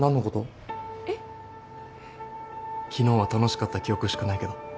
ふっ昨日は楽しかった記憶しかないけど。